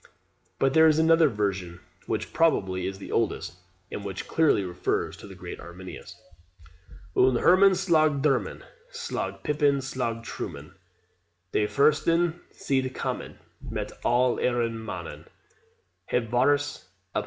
But there is another version, which probably is the oldest, and which clearly refers to the great Arminius: "Un Herman slaug dermen; Slaug pipen, slaug trummen; De fursten sind kammen, Met all eren mannen Hebt VARUS uphangen."